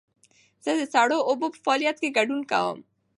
زه د سړو اوبو په فعالیت کې ګډون کوم.